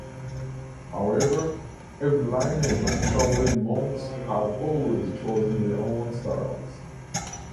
However, every lineage of Shaolin monks have always chosen their own styles.